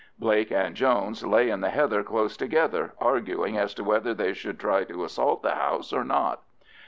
Blake and Jones lay in the heather close together, arguing as to whether they should try to assault the house or not.